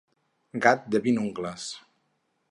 Gat de vint ungles.